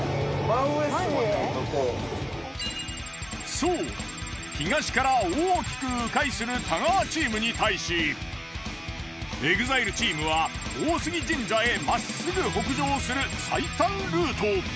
そう東から大きくう回する太川チームに対しＥＸＩＬＥチームは大杉神社へまっすぐ北上する最短ルート。